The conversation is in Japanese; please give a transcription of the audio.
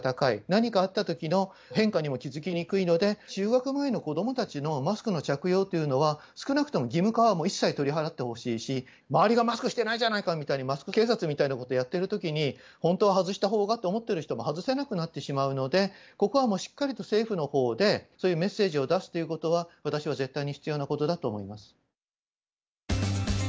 何かあったときの変化にも気付きにくいので、就学前の子どもたちのマスクの着用というのは、少なくとも義務化はもう一切取り払ってほしいし、周りがマスクしてないじゃないかみたいに、マスク警察みたいなことをやってるときに、本当は外したほうがと思ってる人も外せなくなってしまうので、ここはもうしっかりと政府のほうで、そういうメッセージを出すということは、私は絶対に必要なことだと思います。